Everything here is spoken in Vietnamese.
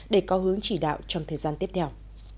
để có hướng chỉ đạo trong thời gian tiếp theo